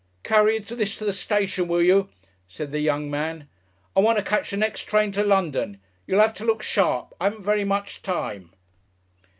"Carry this to the station, will you?" said the young man. "I want to ketch the nex' train to London.... You'll 'ave to look sharp I 'aven't very much time."